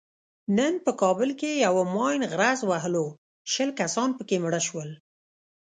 نن په کابل کې یوه ماین غرز وهلو شل کسان پکې مړه شول.